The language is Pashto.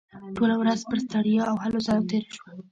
ټوله ورځ پر ستړیا او هلو ځلو تېره شوه